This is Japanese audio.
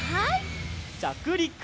ちゃくりく。